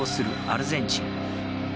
アルゼンチン。